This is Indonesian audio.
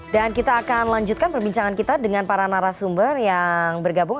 dan kita akan lanjutkan perbincangan kita dengan para narasumber yang bergabung